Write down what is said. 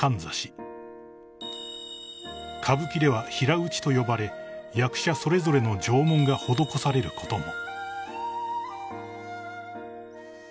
［歌舞伎では平打ちと呼ばれ役者それぞれの定紋が施されることも］